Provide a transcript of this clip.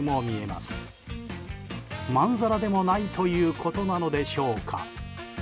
まんざらでもないということなのでしょうか。